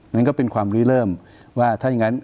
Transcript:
นั่นก็เป็นความลื้อเริ่มว่าถ้าอย่างนั้น